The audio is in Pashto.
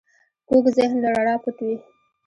کوږ ذهن له رڼا پټ وي